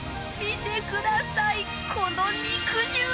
見てください、この肉汁。